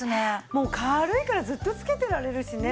もう軽いからずっとつけてられるしね。